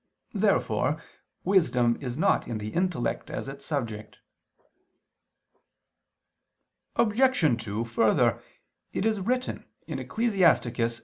Therefore wisdom is not in the intellect as its subject. Obj. 2: Further, it is written (Ecclus.